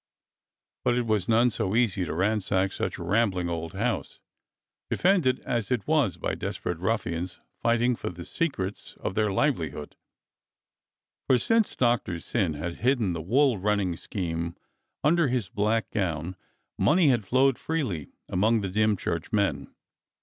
But it was none so easy to ransack such a rambling old house, defended as it was by desperate ruflSans fighting for the secrets of their livelihood, for since Doctor Syn had hidden the wool running scheme under his black gown money had flowed freely among the Dymchurch men.